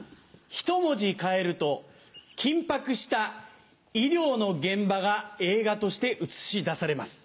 ひと文字変えると緊迫した医療の現場が映画として映し出されます。